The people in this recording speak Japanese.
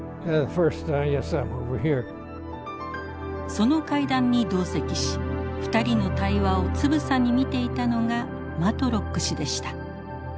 その会談に同席し２人の対話をつぶさに見ていたのがマトロック氏でした。